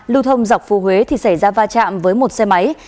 lưu thông dọc phù huế xảy ra va chạm với một xe máy